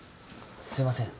すいません